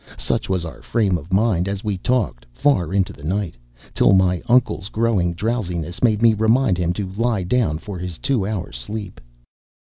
Such was our frame of mind as we talked far into the night, till my uncle's growing drowsiness made me remind him to lie down for his two hour sleep.